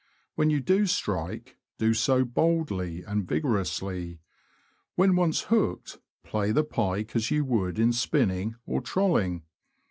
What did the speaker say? When you do strike, do so boldly and vigorously. When once hooked, play the pike as you would in spinning or trolling.